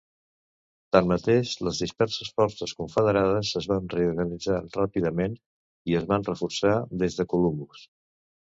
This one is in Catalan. Tanmateix, les disperses forces confederades es van reorganitzar ràpidament i es van reforçar des de Columbus.